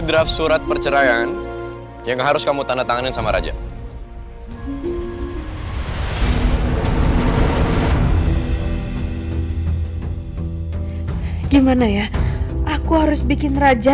draft surat perceraian yang harus kamu tanda tanganin sama raja gimana ya aku harus bikin raja